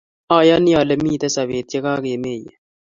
Ayoni ale mitei sobeet ye kakimeye